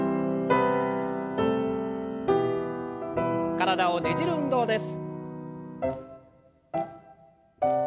体をねじる運動です。